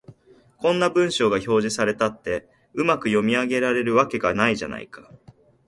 こんな文章が表示されたって、うまく読み上げられるわけがないじゃないか